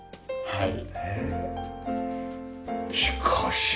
はい。